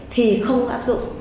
thì không áp dụng